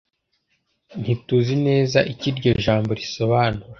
ntituzi neza icyo iryo jambo risobanura